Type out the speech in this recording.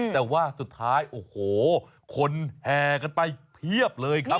แต่ว่าสุดท้ายโอ้โหคนแห่กันไปเพียบเลยครับ